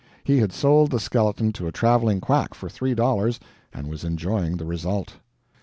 He had sold the skeleton to a traveling quack for three dollars and was enjoying the result!